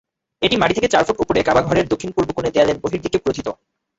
এটি মাটি থেকে চার ফুট ওপরে কাবাঘরের দক্ষিণ-পূর্ব কোণে দেয়ালের বহির্দিকে প্রোথিত।